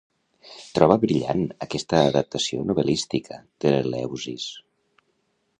Troba brillant aquesta adaptació novel·lística de l'Eleusis.